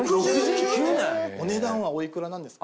お値段はおいくらなんですか？